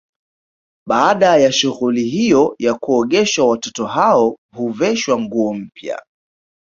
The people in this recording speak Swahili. Baada ya shughuli hiyo ya kuogeshwa watoto hao huveshwa nguo mpya